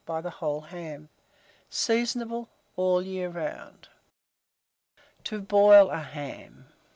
by the whole ham. Seasonable all the year. TO BOIL A HAM.